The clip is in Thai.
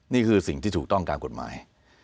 นี่คือสิ่งที่ถูกต้องตามกฎหมาย